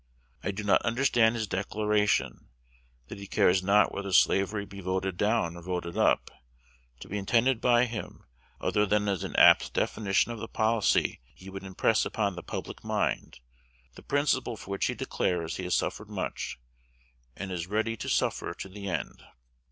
I do not understand his declaration, that he cares not whether slavery be voted down or voted up, to be intended by him other than as an apt definition of the policy he would impress upon the public mind, the principle for which he declares he has suffered much, and is ready to suffer to the end.